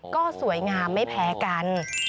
ก็สวยงามไม่แพ้กัน